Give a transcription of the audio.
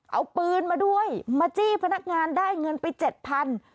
เอาปืนมาด้วยมาจี้พนักงานได้เงินไปเจ็ดพัน